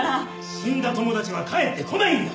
死んだ友達は帰ってこないんだ。